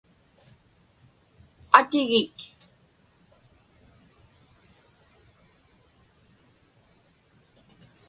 atigik